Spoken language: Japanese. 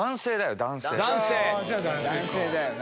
男性だよな。